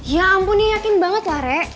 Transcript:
ya ampun ya yakin banget lah re